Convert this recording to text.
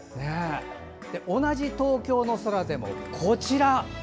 同じ東京の空でも、こちら。